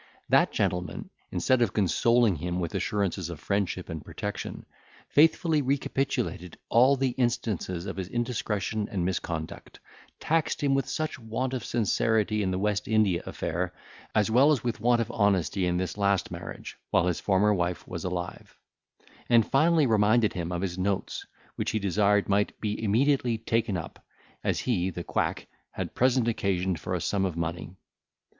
That gentleman, instead of consoling him with assurances of friendship and protection, faithfully recapitulated all the instances of his indiscretion and misconduct, taxed him with want of sincerity in the West India affair, as well as with want of honesty in this last marriage, while his former wife was alive; and, finally, reminded him of his notes, which he desired might be immediately taken up, as he (the quack) had present occasion for a sum of money.